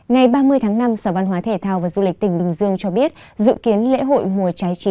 ngày ba mươi tháng năm sở văn hóa thể thao và du lịch tỉnh bình dương cho biết dự kiến lễ hội mùa trái